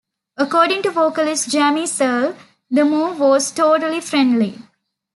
According to vocalist Jamie Searle, the move was totally friendly.